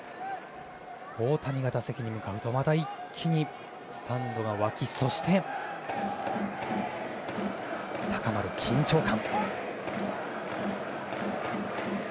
大谷が打席に向かうとまた一気にスタンドが沸きそして高まる緊張感。